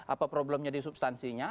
apa problemnya di substansinya